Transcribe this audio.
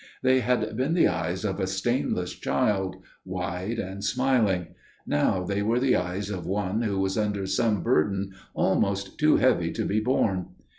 They had been the eyes of a stainless child, wide and smiling; now they were the eyes of one who was under some burden almost too heavy to be borne.